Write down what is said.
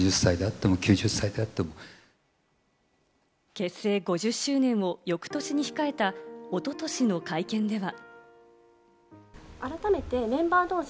結成５０周年を翌年に控えた、おととしの会見では。